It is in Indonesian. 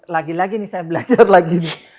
lagi lagi nih saya belajar lagi